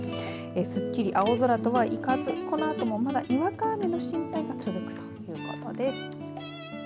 すっきり青空とは言えずこのあともにわか雨の時間が続くということです。